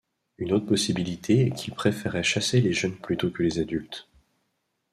Une autre possibilité est qu’il préférait chasser les jeunes plutôt que les adultes.